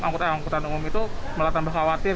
angkutan angkutan umum itu malah tambah khawatir